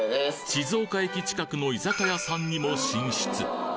静岡駅近くの居酒屋さんにも進出！